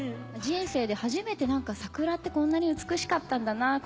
人生で初めて桜ってこんなに美しかったんだな